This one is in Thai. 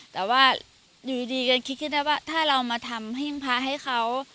แต่ว่าอยู่ดีก็คิดขึ้นได้ว่าถ้าเรามาทำหิ้งพระให้เขา